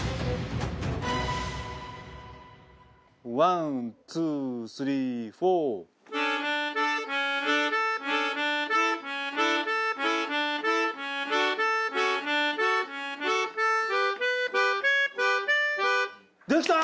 ワンツースリーフォー。できた！